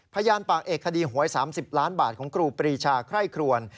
พยานปากเอกคดีหวย๓๐ล้านบาทของครูปรีชาไคร่ครวน